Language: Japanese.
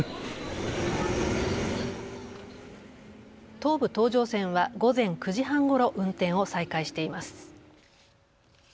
東武東上線は午前９時半ごろ運転を再開しています。